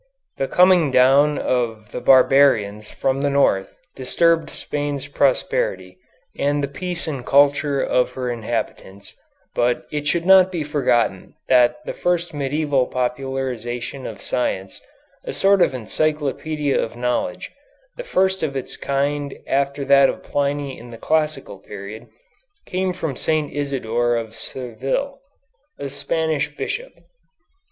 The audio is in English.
The coming down of the barbarians from the North disturbed Spain's prosperity and the peace and culture of her inhabitants, but it should not be forgotten that the first medieval popularization of science, a sort of encyclopedia of knowledge, the first of its kind after that of Pliny in the classical period, came from St. Isidore of Seville, a Spanish bishop.